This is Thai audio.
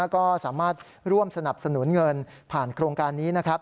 ก็สามารถร่วมสนับสนุนเงินผ่านโครงการนี้นะครับ